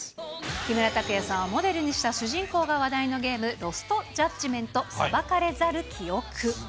木村拓哉さんをモデルにした主人公が話題のゲーム、ロストジャッジメント裁かれざる記憶。